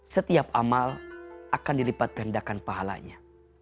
setiap amal akan dilipat kehendakan pahalanya